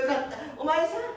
お前さん